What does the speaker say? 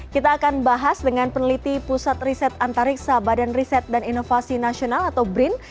kita akan bahas dengan peneliti pusat riset antariksa badan riset dan inovasi nasional atau brin